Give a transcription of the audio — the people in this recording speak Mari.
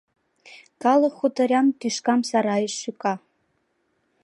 Калык хуторян тӱшкам сарайыш шӱка.